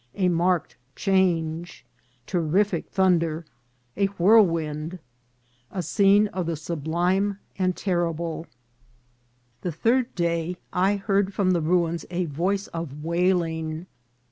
— A marked Change. — Terrific Thun der.— A Whirlwind.— A Scene of the Sublime and Terrible. THE third day I heard from the ruins a voice of wail ing.